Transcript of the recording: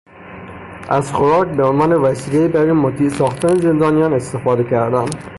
از خوراک به عنوان وسیلهای برای مطیع ساختن زندانیان استفاده کردند.